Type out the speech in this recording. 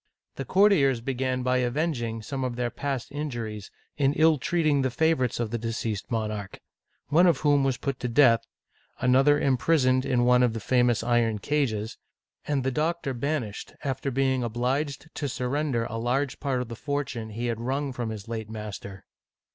The courtiers began by avenging some of their past injuries in ill treating the favorites of the de ceased monarch, one of whom was put to death, another imprisoned in one of the famous iron cages, and the doctor banished, after being obliged to surrender a large part of the fortune he had wrung from his late master.